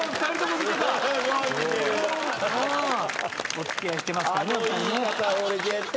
お付き合いしてますからお二人。